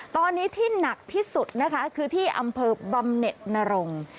ตอนนี้ที่หนักที่สุดนะคะคือที่อำเภอบำเน็ตนรงค์